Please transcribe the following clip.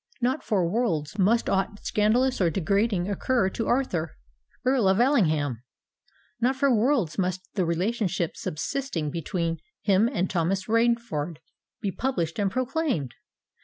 Not for worlds must aught scandalous or degrading occur to Arthur, Earl of Ellingham!—not for worlds must the relationship subsisting between him and Thomas Rainford be published and proclaimed!